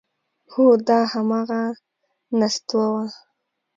هو، دا همغه نستوه و…